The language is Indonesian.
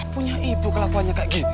punya ibu kelakuannya kayak gini